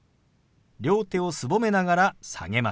両手をすぼめながら下げます。